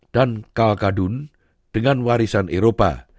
dan kalkadun dengan warisan eropa